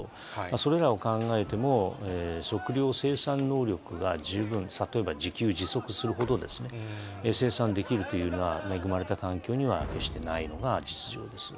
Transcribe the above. それらを考えても、食料生産能力は十分、例えば自給自足するほどですね、生産できるというような恵まれた環境には決してないのが実情です。